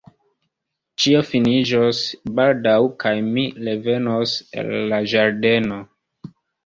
Ĉio finiĝos baldaŭ kaj mi revenos al la Ĝardeno.